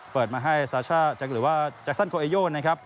เปิดมาให้ซาช่าหรือว่าแจ็คซันโคเอโยน